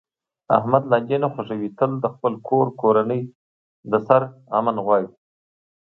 احمد لانجې نه خوښوي، تل د خپل کور کورنۍ د سر امن غواړي.